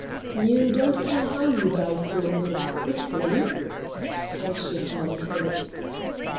"You don't care how you die, so long as it's quickly?" I shook my head.